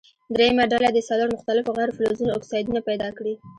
دریمه ډله دې څلور مختلفو غیر فلزونو اکسایدونه پیداکړي.